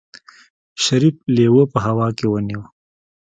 شريف لېوه په هوا کې ونيو.